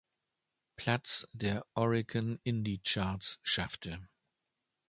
Platz der Oricon Indie Charts schaffte.